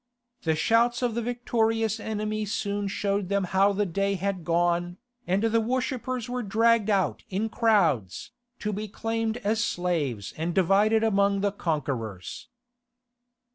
The shouts of the victorious enemy soon showed them how the day had gone, and the worshippers were dragged out in crowds, to be claimed as slaves and divided among the conquerors.